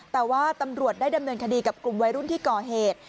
แต่ว่าตำรวจได้ดำเนินคดีกับกลุ่มวัยรุ่นที่ก่อเหตุ